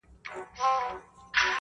يوه مياشت وروسته ژوند روان دی,